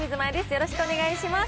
よろしくお願いします。